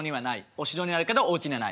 お城にあるけどおうちにはない。